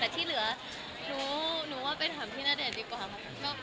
แต่ที่เหลือหนูว่าไปถามพี่ณเดชน์ดีกว่าค่ะ